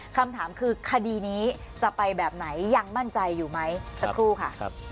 คำถามคือคดีนี้จะไปแบบไหนยังมั่นใจอยู่ไหมสักครู่ค่ะ